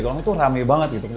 orang itu rame banget gitu